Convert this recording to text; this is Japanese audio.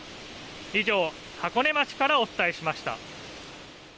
以上、箱根町からお伝えしました。